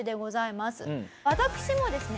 私もですね